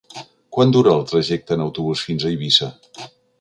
Quant dura el trajecte en autobús fins a Eivissa?